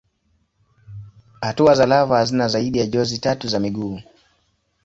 Hatua za lava hazina zaidi ya jozi tatu za miguu.